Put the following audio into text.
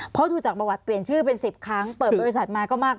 เพราะดูจากประวัติเปลี่ยนชื่อเป็น๑๐ครั้งเปิดบริษัทมาก็มาก